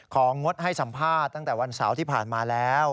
งดให้สัมภาษณ์ตั้งแต่วันเสาร์ที่ผ่านมาแล้ว